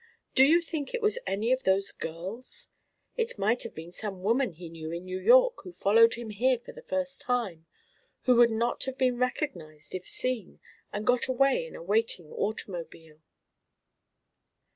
Do you think it was any of those girls? It might have been some woman he knew in New York who followed him here for the first time who would not have been recognised if seen, and got away in a waiting automobile."